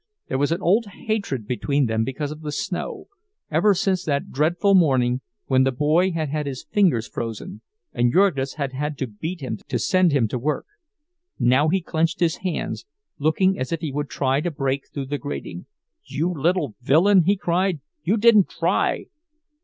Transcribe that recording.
There was an old hatred between them because of the snow—ever since that dreadful morning when the boy had had his fingers frozen and Jurgis had had to beat him to send him to work. Now he clenched his hands, looking as if he would try to break through the grating. "You little villain," he cried, "you didn't try!"